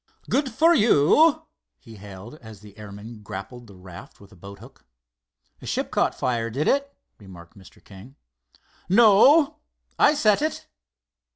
"Good for you!" he hailed, as the airman grappled the raft with a boathook. "Ship caught fire, did it?" remarked Mr. King. "No, I set it."